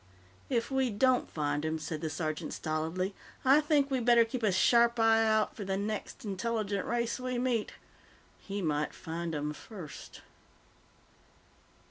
"If we don't find him," said the sergeant stolidly, "I think we better keep a sharp eye out for the next intelligent race we meet. He might find 'em first."